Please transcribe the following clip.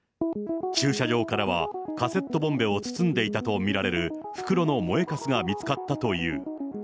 駐車場からは、カセットボンベを包んでいたと見られる袋の燃えかすが見つかったという。